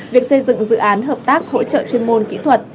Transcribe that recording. việc xây dựng dự án hợp tác hỗ trợ chuyên môn kỹ thuật